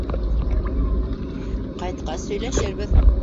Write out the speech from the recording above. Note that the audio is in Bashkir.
Ҡайтҡас һөйләшербеҙ.